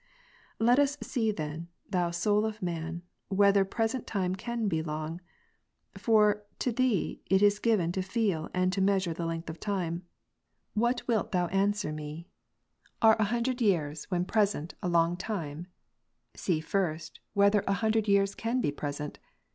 19. Let us see then, thou soul of man, whether present time can be long : for to thee it is given to feel and to mea sure length of time. What wilt thou answer me ? Are an 23G Time present has no space. CONF. hundredyears, when present, a long time? See first, whether ——^^ an hundred years can be present.